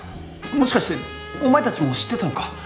もしかしてお前たちも知ってたのか？